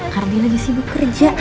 hardi lagi sibuk kerja